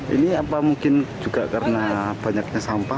ini apa mungkin juga karena banyaknya sampah